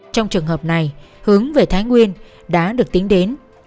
trong trường hợp này hướng về thái nguyên đã được tính đến